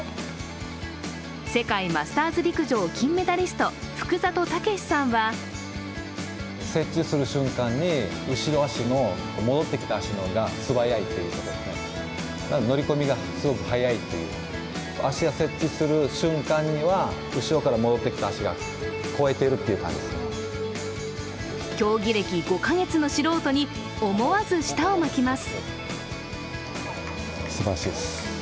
世界マスターズ陸上金メダリスト譜久里武さんは競技歴５か月の素人に思わず舌を巻きます。